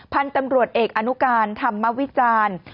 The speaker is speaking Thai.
พันธุ์ตำรวจเอกอนุการธรรมวิจารณ์